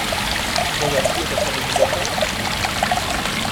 Gayathri est en train de vous attendre ?